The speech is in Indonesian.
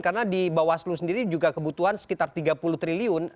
karena di bawaslu sendiri juga kebutuhan sekitar rp tiga puluh triliun